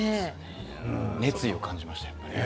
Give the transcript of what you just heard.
熱意を感じました。